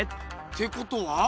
てことは？